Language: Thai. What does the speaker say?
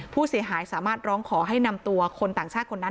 ผู้เสียหายสามารถร้องขอให้นำตัวคนต่างชาติคนนั้น